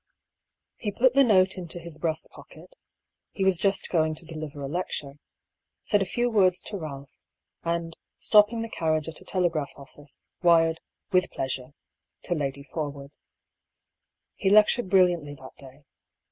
He put the note into his breast pocket — he was just going to deliver a lecture — said a few words to Ealph, and, stopping the carriage at a telegraph office, wired " With pleasure " to Lady Forwood. He lectured brilliantly that day.